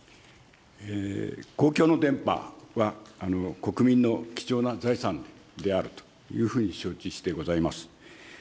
公共の電波は、国民の貴重な財産であるというふうに承知してございます。